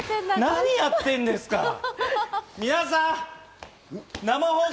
何やってんですか、皆さん！